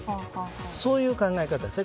そういう考え方です。